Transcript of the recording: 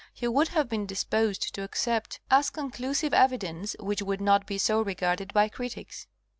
163 he would have been disposed to accept as conclusive evidence which would not be so regarded by critics.